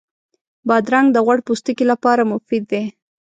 بادرنګ د غوړ پوستکي لپاره مفید دی.